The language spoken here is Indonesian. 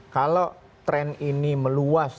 kalau tren ini meluas